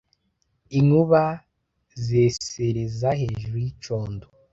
inkuba zesereza hejuru y’icondo